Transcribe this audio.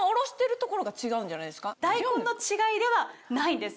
大根の違いではないんです。